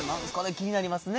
気になりますね。